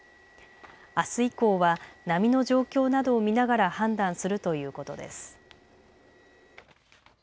あす以降は波の状況などを見ながら判断するということです。